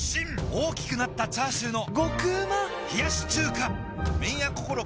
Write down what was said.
大きくなったチャーシューの麺屋こころ